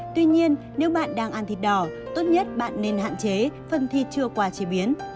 tuy nhiên nếu bạn đang ăn thịt đỏ tốt nhất bạn nên hạn chế phần thi chưa qua chế biến